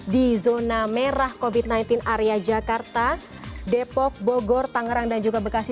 di zona merah covid sembilan belas area jakarta depok bogor tangerang dan juga bekasi